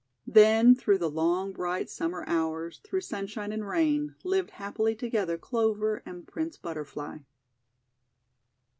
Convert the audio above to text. Then through the long bright Summer hours, through sunshine and rain, lived happily to gether Clover and Prince Butterfly.